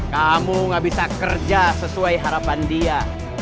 kamu gak bisa kerja sesuai harapan dia